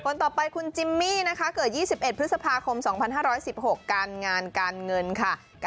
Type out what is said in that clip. คนต่อไปคุณจิมมี่นะคะเกิด๒๑พฤษภาคม๒๕๑๖การงานการเงินค่ะ